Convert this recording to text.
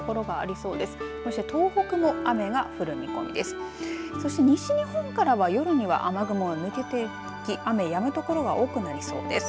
そして西日本からは夜には雨雲は抜けていき雨やむところが多くなりそうです。